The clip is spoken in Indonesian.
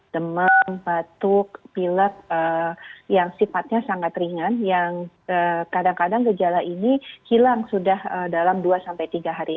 demam batuk pilek yang sifatnya sangat ringan yang kadang kadang gejala ini hilang sudah dalam dua sampai tiga hari